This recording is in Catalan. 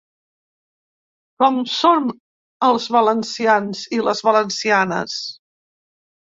Com som els valencians i les valencianes?